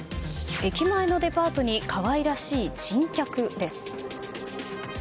駅前のデパートに可愛らしい珍客です。